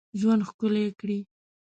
ژوند ښکلی کړی.